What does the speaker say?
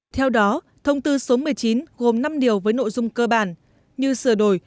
theo đó thông tư số một mươi chín gồm năm điều với nội dung cơ bản như sửa đổi